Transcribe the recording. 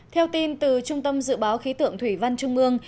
theo tin từ trung tâm dự báo khí tượng thủy văn trung ương